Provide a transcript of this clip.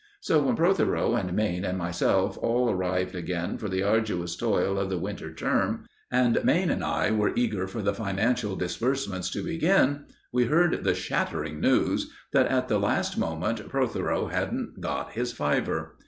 So when Protheroe and Mayne and myself all arrived again for the arduous toil of the winter term, and Mayne and I were eager for the financial disimbursements to begin, we heard the shattering news that, at the last moment, Protheroe hadn't got his fiver.